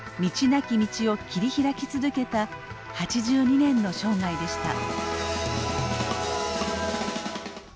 なき道を切り開き続けた８２年の生涯でした。